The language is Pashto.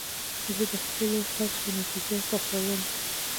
زه د خپلو هڅو نتیجه خوښوم.